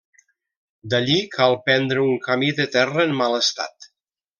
D'allí cal prendre un camí de terra en mal estat.